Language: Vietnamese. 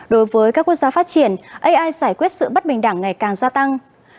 đối với các quốc gia phát triển ai giải quyết sự bất bình đẳng ngày càng gia tăng